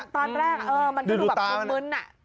ตอนแรกเออมันก็อยู่แบบปุ่มมื้น